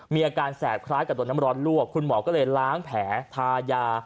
มีอาการแสบคล้ายกับโดนน้ำร้อนลวกคุณหมอก็เลยล้างแผลพายา